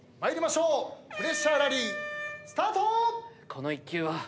この一球は。